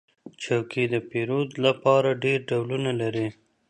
چوکۍ د پیرود لپاره ډېر ډولونه لري.